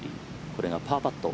これがパーパット。